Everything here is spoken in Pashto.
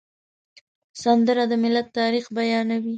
سندره د ملت تاریخ بیانوي